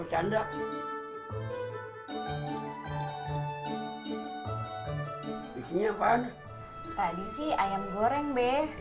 tadi sih ayam goreng deh